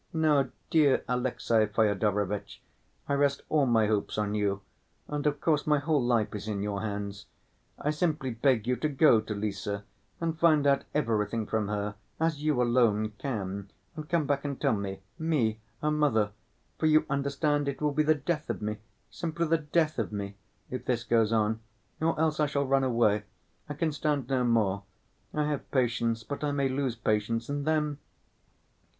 Now, dear Alexey Fyodorovitch, I rest all my hopes on you, and, of course, my whole life is in your hands. I simply beg you to go to Lise and find out everything from her, as you alone can, and come back and tell me—me, her mother, for you understand it will be the death of me, simply the death of me, if this goes on, or else I shall run away. I can stand no more. I have patience; but I may lose patience, and then